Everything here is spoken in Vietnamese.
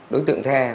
đối tượng theo